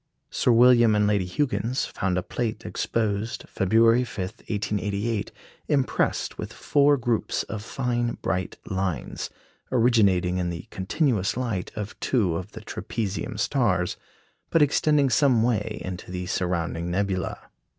Sir William and Lady Huggins found a plate exposed February 5, 1888, impressed with four groups of fine bright lines, originating in the continuous light of two of the trapezium stars, but extending some way into the surrounding nebula.